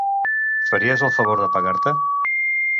Faries el favor d'apagar-te?